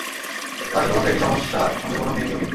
তার শুধুমাত্র একটি সমস্যা সঙ্গে কোন মেয়ে কেউ নেই।